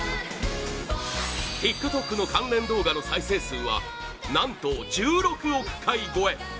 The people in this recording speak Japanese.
ＴｉｋＴｏｋの関連動画の再生数は何と１６億回超え！